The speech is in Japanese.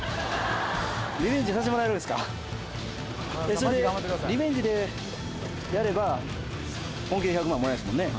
それでリベンジでやれば本気で１００万もらえるんですもんね